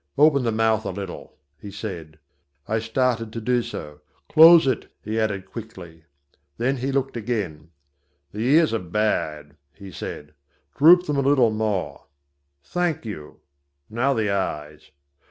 "Open the mouth a little," he said. I started to do so. "Close it," he added quickly. Then he looked again. "The ears are bad," he said; "droop them a little more. Thank you. Now the eyes.